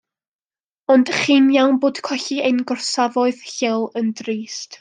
Ond chi'n iawn bod colli ein gorsafoedd lleol yn drist.